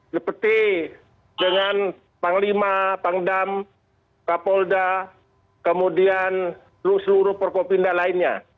seperti dengan panglima pangdam kapolda kemudian seluruh prokopinda lainnya